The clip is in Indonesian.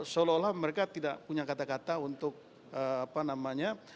seolah olah mereka tidak punya kata kata untuk apa namanya